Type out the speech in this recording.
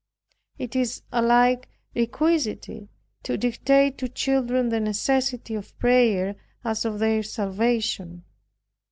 It is alike requisite to dictate to children the necessity of prayer as of their salvation.